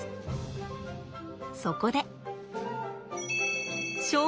そこで。